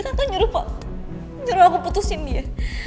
kakak nyuruh aku putusin dia